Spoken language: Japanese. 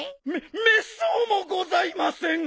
めめっそうもございません！